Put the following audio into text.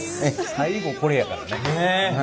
最後これやからね。